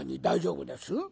大丈夫です？